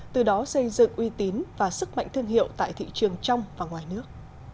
từ đó xây dựng uy tín và sức mạnh thương hiệu tại thị trường trong và ngoài nước